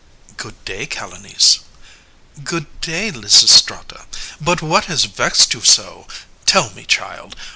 Good day Calonice. CALONICE Good day Lysistrata. But what has vexed you so? Tell me, child.